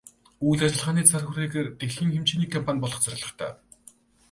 Үйл ажиллагааны цар хүрээгээрээ дэлхийн хэмжээний компани болох зорилготой.